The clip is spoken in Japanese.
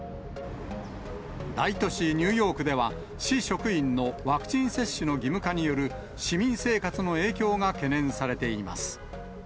大都市、ニューヨークでは、市職員のワクチン接種の義務化による市民生活の影響が懸念されています。